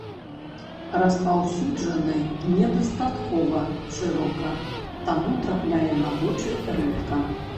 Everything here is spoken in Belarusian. Распаўсюджаны не дастаткова шырока, таму трапляе на вочы рэдка.